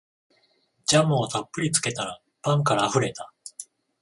ジャムをたっぷりつけたらパンからあふれた